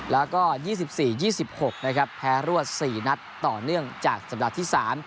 แล้วก็๒๔๒๖นะครับแพ้รวด๔นัดต่อเนื่องจากสัปดาห์ที่๓